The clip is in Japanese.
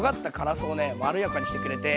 まろやかにしてくれて。